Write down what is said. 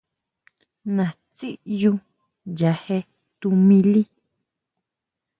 Naʼtsi ʼyu ya je tuʼmili.